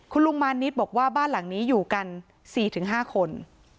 คุณลุงมานิดบอกว่าบ้านหลังนี้อยู่กัน๔๕คน